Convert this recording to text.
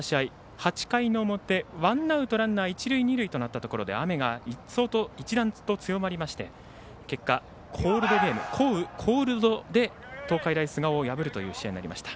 ８回の表、ワンアウトランナー一塁二塁となったところで雨が一段と強まりまして結果、降雨コールドで東海大菅生を破るという試合になりました。